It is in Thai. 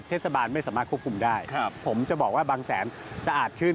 เทศบาลไม่สามารถควบคุมได้ผมจะบอกว่าบางแสนสะอาดขึ้น